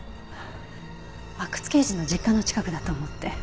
阿久津刑事の実家の近くだと思って。